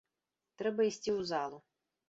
Трэба ісці ў залу.